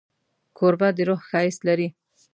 کوربه د روح ښایست لري.